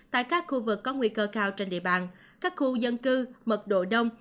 tại các khu vực có nguy cơ cao trên địa bàn các khu dân cư mật độ đông